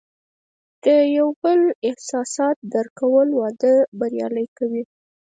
د یو بل احساسات درک کول، واده بریالی کوي.